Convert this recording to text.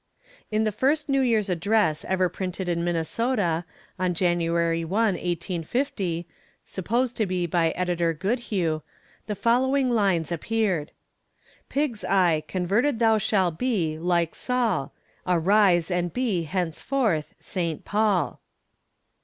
In the first New Year's address ever printed in Minnesota, on Jan. 1, 1850, supposed to be by Editor Goodhue, the following lines appeared: "Pig's Eye, converted thou shall be, like Saul: Arise, and be, henceforth, SAINT PAUL."